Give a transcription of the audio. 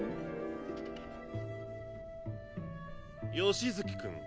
吉月君。